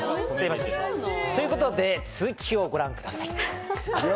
ということで続きをご覧ください。